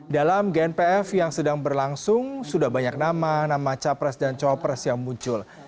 dalam gnpf yang sedang berlangsung sudah banyak nama nama capres dan copres yang muncul